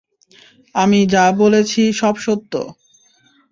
আমি যা বলেছি সব সত্য।